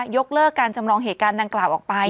ยกเลิกการจำลองเหตุการณ์ดังกล่าวออกไป